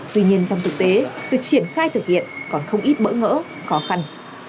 tuy nhiên trong thực tế việc triển khai thực hiện còn không ít bỡ ngỡ khó khăn